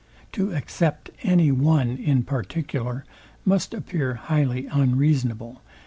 To except any one in particular must appear highly unreasonable.